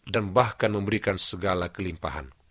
dan bahkan memberikan segala kelimpahan